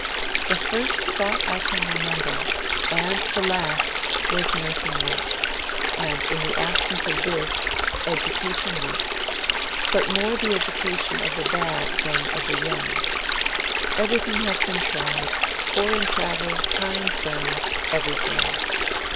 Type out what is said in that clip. The first thought I can remember, and the last, was nursing work; and in the absence of this, education work, but more the education of the bad than of the young ... Everything has been tried foreign travel, kind friends, everything.